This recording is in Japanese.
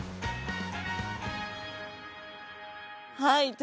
はい。